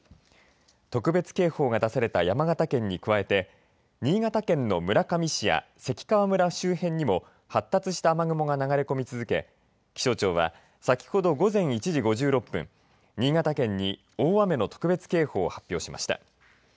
特別警報が出された山形県に加えて新潟県の村上市や関川村周辺にも発達した雨雲が流れ込み続け気象庁は先ほど午前１時５６分新潟県に大雨の特別警報を発表しました。